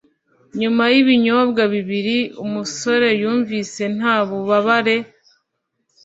nyuma y'ibinyobwa bibiri, umusore yumvise nta bubabare